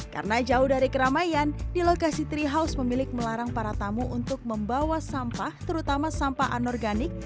karena jauh dari keramaian di lokasi treehouse pemilik melarang para tamu untuk membawa sampah terutama sampah anorganik